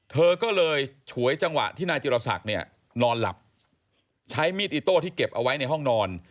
เธอก็เลยฉวยจังหวะที่นายจิรศักดิ์เนี่ยนอนหลับใช้มีดอิโต้ที่เก็บเอาไว้ในห้องนอน